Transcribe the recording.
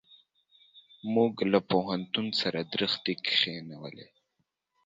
موږ له پوهنتون سره درختي کښېنولې.